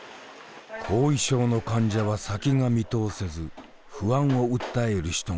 後遺症の患者は先が見通せず不安を訴える人が多い。